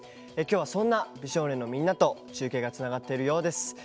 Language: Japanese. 今日はそんな美少年のみんなと中継がつながっているようです。